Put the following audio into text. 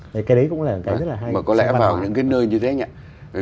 mà có lẽ vào những cái nơi như thế nhỉ